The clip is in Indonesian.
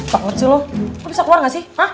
pak what's up lo lo bisa keluar gak sih